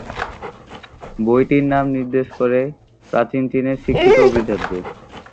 বইটির নাম নির্দেশ করে প্রাচীন চীনের শিক্ষিত অভিজাতদের।